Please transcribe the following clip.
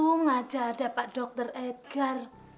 untung aja ada pak dokter edgar